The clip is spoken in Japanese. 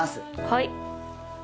はい。